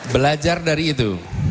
belajar dari itu